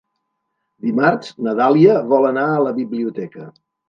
Dimarts na Dàlia vol anar a la biblioteca.